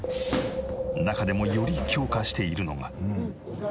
中でもより強化しているのが。